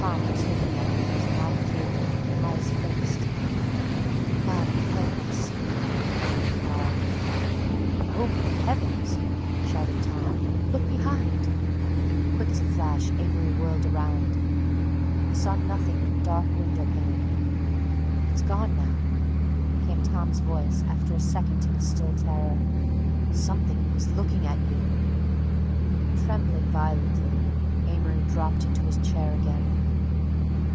Tom was looking at him with his mouth drooping, eyes fixed. "God help us!" Amory cried. "Oh, my heavens!" shouted Tom, "look behind!" Quick as a flash Amory whirled around. He saw nothing but the dark window pane. "It's gone now," came Tom's voice after a second in a still terror. "Something was looking at you." Trembling violently, Amory dropped into his chair again.